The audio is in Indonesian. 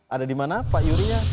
ada di mana pak yuri nya